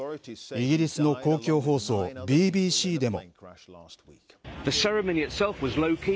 イギリスの公共放送、ＢＢＣでも。